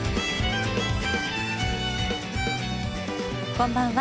こんばんは。